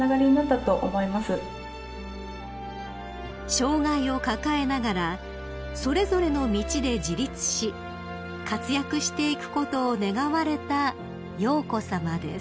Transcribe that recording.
［障害を抱えながらそれぞれの道で自立し活躍していくことを願われた瑶子さまです］